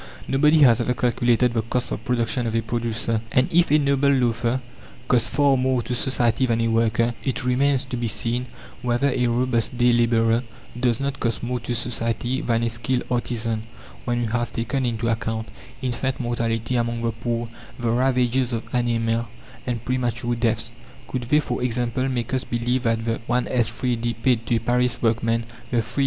Nobody has ever calculated the cost of production of a producer; and if a noble loafer costs far more to society than a worker, it remains to be seen whether a robust day labourer does not cost more to society than a skilled artisan, when we have taken into account infant mortality among the poor, the ravages of anæmia, and premature deaths. Could they, for example, make us believe that the 1s. 3d. paid to a Paris workwoman, the 3d.